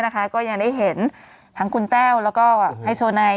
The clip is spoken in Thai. ก็ยังได้เห็นทั้งคุณแต้วแล้วก็ไฮโซไน